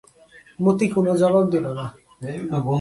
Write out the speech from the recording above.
মতি কোনো জবাব দিল না।